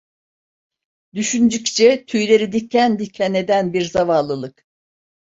Düşündükçe tüyleri diken diken eden bir zavallılık…